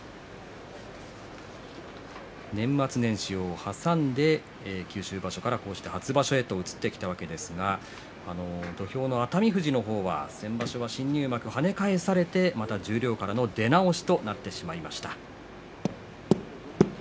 年末年始を挟んで九州場所からこうして初場所へと移ってきたわけですが土俵の熱海富士の方は先場所、新入幕跳ね返されてまた十両からの出直しとなってしまいました。